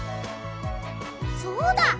そうだ！